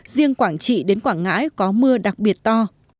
riêng quảng trị đến quảng ngãi có mưa đặc biệt to